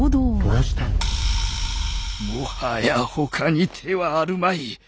もはや他に手はあるまい！